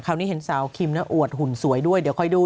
นี้เห็นสาวคิมนะอวดหุ่นสวยด้วยเดี๋ยวคอยดู